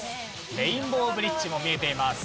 レインボーブリッジも見えています。